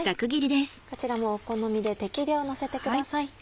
こちらもお好みで適量のせてください。